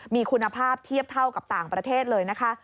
มีคุณภาพเทียบเท่ากับต่างประเทศเลยนะคะ